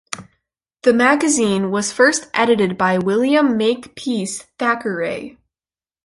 The magazine was first edited by William Makepeace Thackeray.